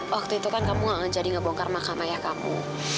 waktu itu kan kamu jadi ngebongkar makam ayah kamu